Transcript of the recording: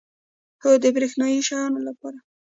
هو، د بریښنایی شیانو لپاره